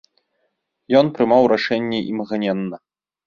Ён прымаў рашэнні імгненна.